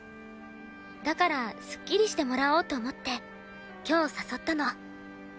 だからすっきりしてもらおうと思って今日誘ったの。